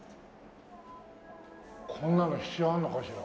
こんなの必要あるのかしら。